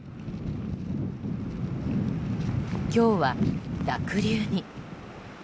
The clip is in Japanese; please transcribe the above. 今日は濁流に。